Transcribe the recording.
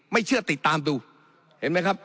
ไม่เชื่อติดตามดูเห็นไหมครับ